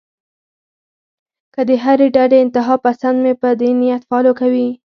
کۀ د هرې ډډې انتها پسند مې پۀ دې نيت فالو کوي